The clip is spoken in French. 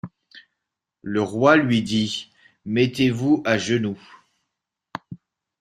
Le Roy luy dit: —« Mettez-vous à genoilz.